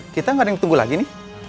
kita nggak ada yang tunggu lagi nih